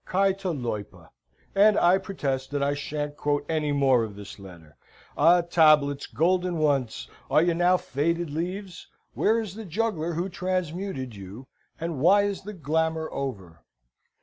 Kai ta loipa. And I protest I shan't quote any more of this letter. Ah, tablets, golden once, are ye now faded leaves? Where is the juggler who transmuted you, and why is the glamour over?